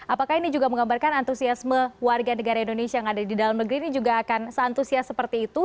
apakah ini juga menggambarkan antusiasme warga negara indonesia yang ada di dalam negeri ini juga akan seantusias seperti itu